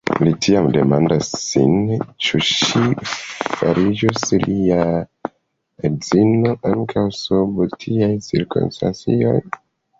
Li tiam demandas sin, ĉu ŝi fariĝus lia edzino ankaŭ sub tiaj cirkonstancoj.